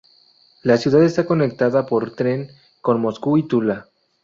La ciudad está conectada por tren con Moscú y Tula.